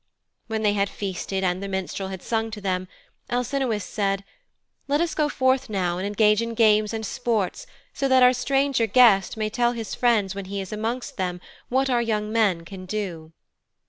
When they had feasted and the minstrel had sung to them, Alcinous said, 'Let us go forth now and engage in games and sports so that our stranger guest may tell his friends when he is amongst them what our young men can do.'